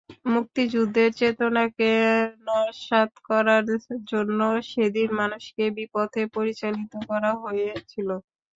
মুক্তিযুদ্ধের চেতনাকে নস্যাৎ করার জন্য সেদিন মানুষকে বিপথে পরিচালিত করা হয়েছিল।